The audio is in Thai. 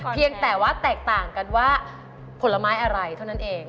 เพียงแต่ว่าแตกต่างกันว่าผลไม้อะไรเท่านั้นเอง